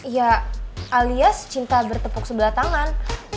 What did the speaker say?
ya alias cinta bertepuk sebelah tangan